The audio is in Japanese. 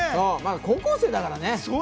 高校生だからね。